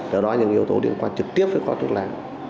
đó là những yếu tố liên quan trực tiếp với con thuốc lá